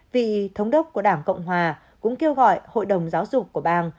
vị thống đốc của đảng cộng hòa cũng kêu gọi hội đồng giáo dục của bang